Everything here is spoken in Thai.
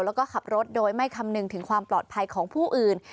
แล้วก็ขับรถโดยไม่คำนึงถึงความปลอดภัยของผู้อื่น